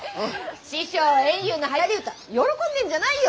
師匠圓遊のはやり歌喜んでんじゃないよ！